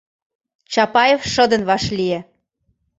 — Чапаев шыдын вашлие.